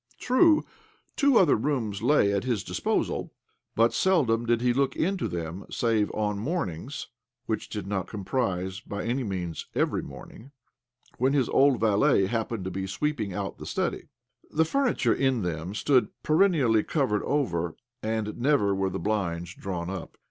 True, two other rooms lay at OBLOMOV 1 1 his disposal, but seldom did he look into them save on mornings (which did not com prise by any means every morning) when his old valet happened to be sweeping out the study. The furniture in them stood perennially covered over, arid never were the blinds drawn up.